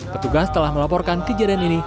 petugas telah melaporkan kejadian ini